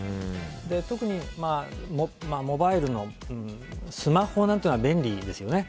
特にモバイルのスマホなんてのは便利ですよね。